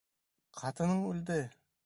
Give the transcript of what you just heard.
Ҡатының үлде!